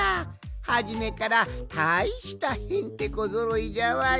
はじめからたいしたへんてこぞろいじゃわい！